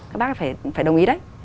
các bác phải đồng ý đấy